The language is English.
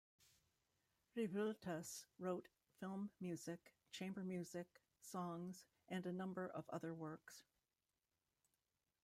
Revueltas wrote film music, chamber music, songs, and a number of other works.